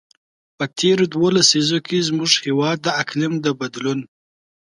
په تېرو دوو لسیزو کې، زموږ هېواد د اقلیم د بدلون.